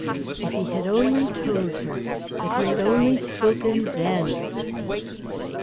If he had only told her; if he had only spoken then!